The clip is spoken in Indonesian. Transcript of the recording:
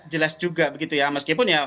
jelas juga begitu ya meskipun ya